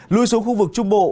lui xuống khu vực trung bộ